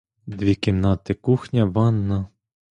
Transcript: Дві кімнати, кухня, ванна.